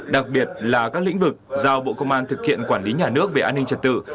đặc biệt là các lĩnh vực giao bộ công an thực hiện quản lý nhà nước về an ninh trật tự